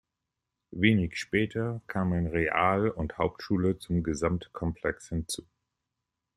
Wenig später kamen Real- und Hauptschule zum Gesamtkomplex hinzu.